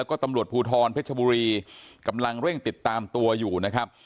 ก็ตำรวจภูทรเพชรบุรีกำลังเร่งติดตามตัวอยู่นะครับ